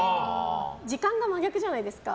時間が真逆じゃないですか。